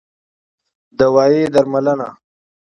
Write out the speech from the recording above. دوايي √ درملنه